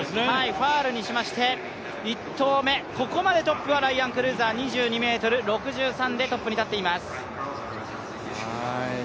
ファウルにしまして、１投目、ここまでトップはライアン・クルーザー、２２ｍ６３でトップに立っています。